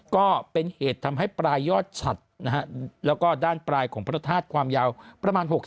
ก็เป็นเหตุทำให้ปลายยอดฉัดนะฮะแล้วก็ด้านปลายของพระธาตุความยาวประมาณ๖๐